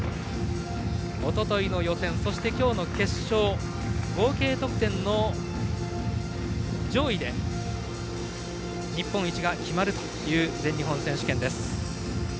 おとといの予選そして今日の決勝合計得点の上位で日本一が決まるという全日本選手権です。